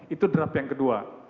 itu draft yang kedua